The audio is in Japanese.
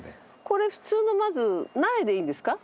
これ普通のまず苗でいいんですか？